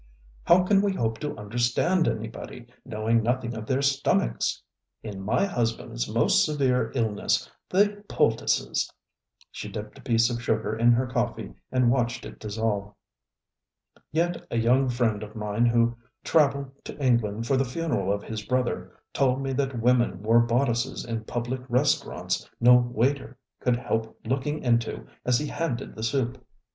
How can we hope to understand anybody, knowing nothing of their stomachs? In my husbandŌĆÖs most severe illnessŌĆöthe poulticesŌĆöŌĆØ She dipped a piece of sugar in her coffee and watched it dissolve. ŌĆ£Yet a young friend of mine who travelled to England for the funeral of his brother told me that women wore bodices in public restaurants no waiter could help looking into as he handed the soup.